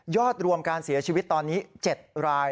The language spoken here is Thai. รวมการเสียชีวิตตอนนี้๗ราย